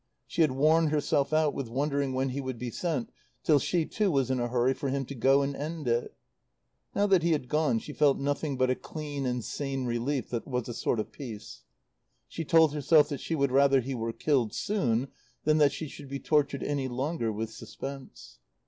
She had worn herself out with wondering when he would be sent, till she, too, was in a hurry for him to go and end it. Now that he had gone she felt nothing but a clean and sane relief that was a sort of peace. She told herself that she would rather he were killed soon than that she should be tortured any longer with suspense.